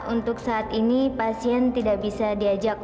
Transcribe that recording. untuk saat ini pasien tidak bisa diajak